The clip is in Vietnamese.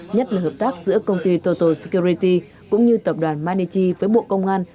nhất là hợp tác giữa công ty total security cũng như tập đoàn manichi với bộ công an